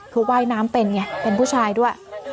คือว่ายน้ำเป็นไงเป็นผู้ชายด้วย